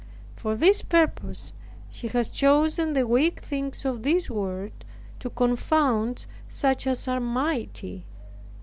For this purpose, He has chosen the weak things of this world, to confound such as are mighty.